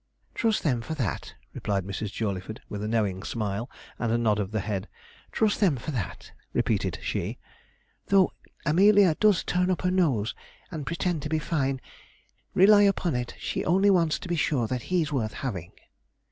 'Trust them for that,' replied Mrs. Jawleyford, with a knowing smile and nod of the head: 'trust them for that,' repeated she. 'Though Amelia does turn up her nose and pretend to be fine, rely upon it she only wants to be sure that he's worth having.'